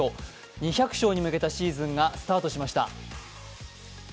２００勝に向けたシーズンがスタートしました。